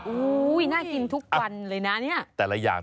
โอ้วน่ากินทุกวันเลยนะ